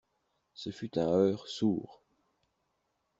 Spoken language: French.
Ce fut un heurt sourd.